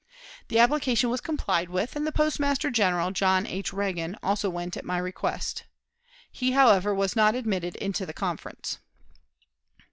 The application was complied with, and the Postmaster General, John H. Reagan, also went at my request. He, however, was not admitted to the conference.